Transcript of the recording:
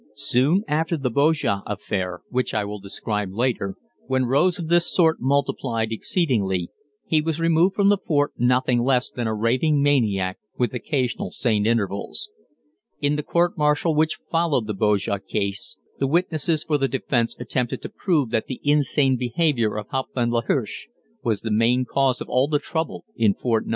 Soon after the Bojah affair, which I will describe later, when rows of this sort multiplied exceedingly, he was removed from the fort nothing less than a raving maniac with occasional sane intervals. In the court martial which followed the Bojah case, the witnesses for the defense attempted to prove that the insane behavior of Hauptmann L'Hirsch was the main cause of all trouble in Fort 9.